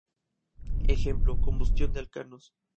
Ejemplo: Combustión de los alcanos.